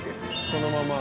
「そのまま」